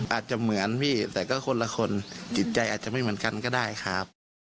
อาจจะเหมือนพี่แต่ก็คนละคนจิตใจอาจจะไม่เหมือนกันก็ได้ครับ